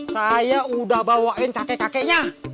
saya udah bawain kakek kakeknya